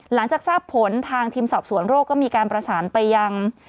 หลังจากทราบผลทางทีมสอบสวนโรคก็มีการประสานไปยัง